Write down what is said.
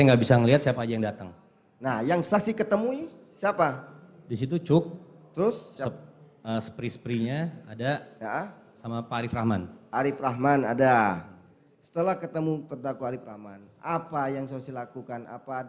arief rahman ada setelah ketemu terdakwa arief rahman apa yang harus dilakukan